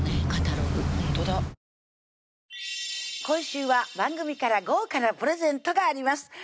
今週は番組から豪華なプレゼントがあります